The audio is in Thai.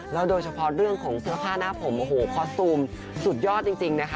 โดยเฉพาะเรื่องของเสื้อผ้าหน้าผมโอ้โหคอสตูมสุดยอดจริงนะคะ